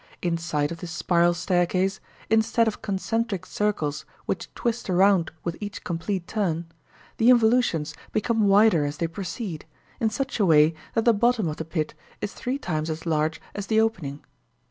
Inside of this spiral staircase, instead of concentric circles which twist around with each complete turn, the involutions become wider as they proceed, in such a way that the bottom of the pit is three times as large as the opening.